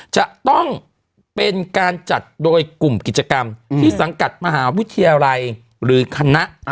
จะต้องเป็นการจัดโดยกลุ่มกิจกรรมที่สังกัดมหาวิทยาลัยหรือคณะ